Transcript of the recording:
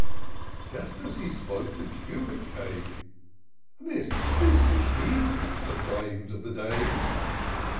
Just as he spoke, the Curate came :—" This, this is he !" exclaim'd the dame.